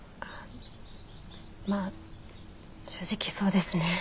まあ正直そうですね。